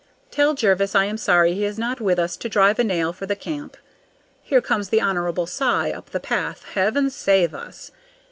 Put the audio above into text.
Tell Jervis I am sorry he is not with us to drive a nail for the camp. Here comes the Hon. Cy up the path. Heaven save us!